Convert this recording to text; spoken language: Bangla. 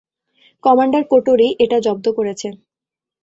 কমান্ডার কোটো রি এটা জব্দ করেছে।